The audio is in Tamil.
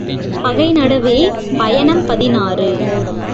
பகை நடுவே பயணம் பதினாறு .